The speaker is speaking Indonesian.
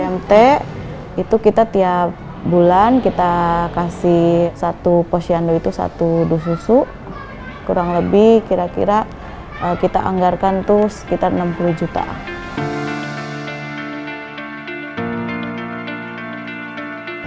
pmt itu kita tiap bulan kita kasih satu posyandu itu satu dusu suku kurang lebih kira kira kita anggarkan itu sekitar rp enam puluh